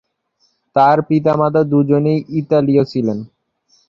তার পিতামাতা দুজনেই ইতালীয় ছিলেন।